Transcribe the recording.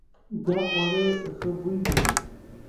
دا خوړو ښه بوی لري.